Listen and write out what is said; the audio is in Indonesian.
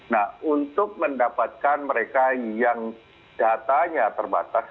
nah untuk mendapatkan mereka yang datanya terbatas